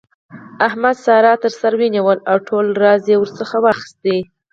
احمد؛ سارا تر سر ونيوله او ټول راز يې ورڅخه واخيست.